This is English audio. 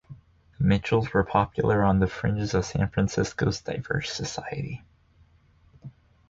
The Mitchells were popular on the fringes of San Francisco's diverse society.